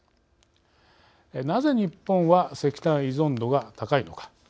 なぜ日本は石炭依存度が高いのか。